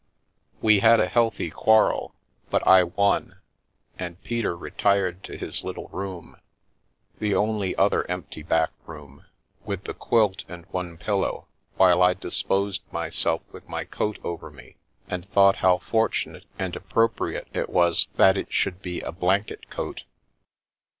We had a healthy quarrel, but I won, and Peter re tired to his little room, the only other empty back room, with the quilt and one pillow ; while I disposed myself with my coat over me, and thought how fortunate and appropriate it was that it should be a blanket coat.